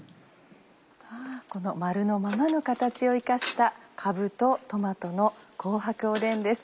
この丸のままの形を生かしたかぶとトマトの「紅白おでん」です。